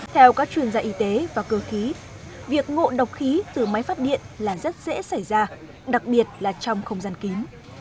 theo các chuyên gia y tế và cơ khí việc ngộ độc khí từ máy phát điện là rất dễ xảy ra đặc biệt là trong không gian kín